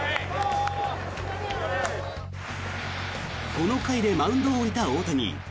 この回でマウンドを降りた大谷。